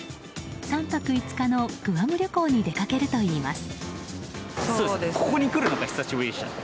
３泊５日のグアム旅行に出かけるといいます。